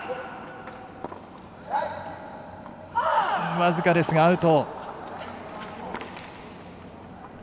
僅かですが、アウト。